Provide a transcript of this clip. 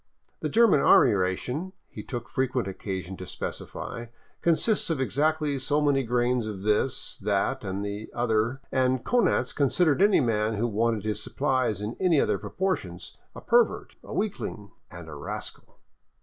The German army ration, he took frequent occasion to specify, consists of exactly so many grams of this, that, and the other, and Konanz considered any man who wanted his supplies in any other proportions a pervert, a weakling, and a rascal.